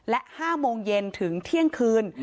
และ๕โมงเย็นถึงเที่ยงคืน